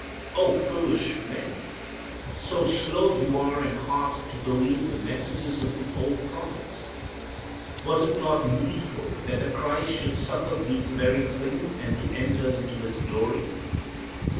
"O foolish men, so slow you are in heart to believe the messages of the old prophets! Was it not needful that the Christ should suffer these very things and to enter into His glory?"